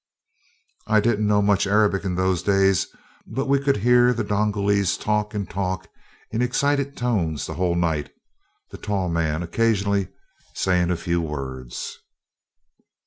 "I didn't know much Arabic in those days, but we could hear the Dongolese talk and talk in excited tones the whole night, the tall man occasionally saying a few words.